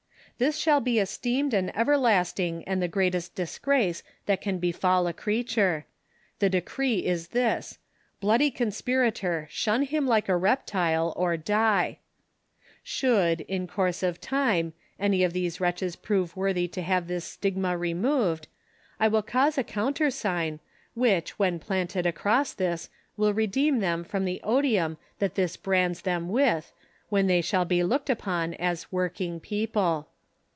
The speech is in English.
" This shall be esteemed an everlasting and the greatest disgrace that can befall a creature. The decree is this ;' Bloody conspirator ; shun him like a reptile, or die '.'" Sliould, in course of time, any of these wretches prove worthy to have this stigma removed, I will cause a coun tersign, which, when planted across this, will redeem them from the odium that this l)rands them with, when they shall be looked upon as working people.